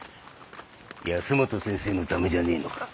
保本先生のためじゃねえのか？